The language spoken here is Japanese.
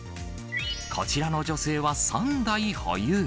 こちらの女性は３台保有。